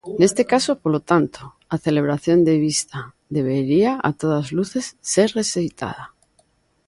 Neste caso, polo tanto, "a celebración de vista debería, a todas luces, ser rexeitada".